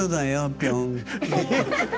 ぴょん。